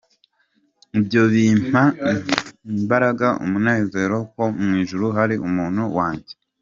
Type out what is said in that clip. Ibyo bimpa imbaraga, umunezero, ko mu ijuru hari umuntu wanjye.